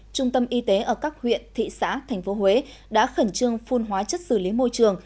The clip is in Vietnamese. trung tâm y tế ở các huyện thị xã thành phố huế đã khẩn trương phun hóa chất xử lý môi trường